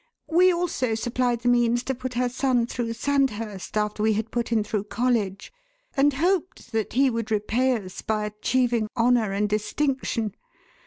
We also supplied the means to put her son through Sandhurst after we had put him through college, and hoped that he would repay us by achieving honour and distinction.